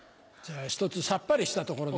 一つさっぱりしたところで。